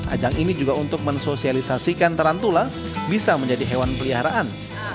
ajang ini juga untuk mensosialisasikan tarantula bisa menjadi hewan peliharaan